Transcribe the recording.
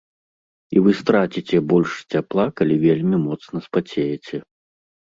І вы страціце больш цяпла, калі вельмі моцна спацееце.